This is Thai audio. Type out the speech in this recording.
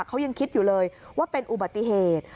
เขายังคิดอยู่เลยว่าเป็นอุบัติเหตุ